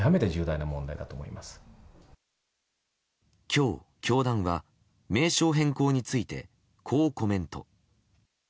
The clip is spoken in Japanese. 今日、教団は名称変更についてこうコメント。